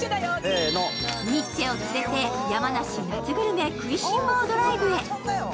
ニッチェを連れて山梨夏グルメ食いしん坊ドライブ。